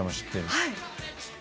はい。